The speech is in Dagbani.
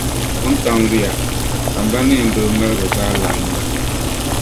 Wuntaŋ luya ka m ba Neindoo mabiligu zaa laɣim na.